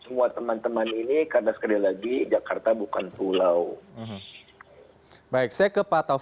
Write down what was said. mungkin akan kita bahas usai jeda